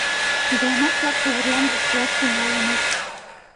Ӱдырамаш-влак Кавырлям воштылаш тӱҥалыныт: